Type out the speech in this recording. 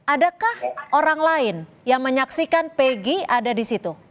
adakah orang lain yang menyaksikan peggy ada di situ